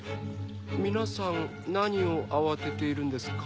皆さん何を慌てているんですか？